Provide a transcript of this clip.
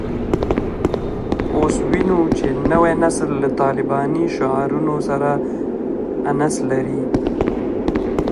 اوس وینو چې نوی نسل له طالباني شعارونو سره انس لري